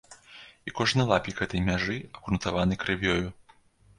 І кожны лапік гэтай мяжы абгрунтаваны крывёю.